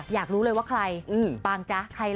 อยากรู้เลยว่าใครปางจ้ะใครเหรอ